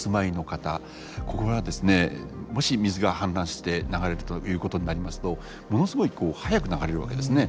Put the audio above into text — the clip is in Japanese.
これはですねもし水が氾濫して流れたということになりますとものすごい速く流れるわけですね。